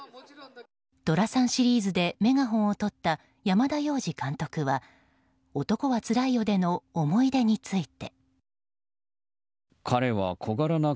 寅さんシリーズでメガホンをとった山田洋次監督は「男はつらいよ」での思い出について。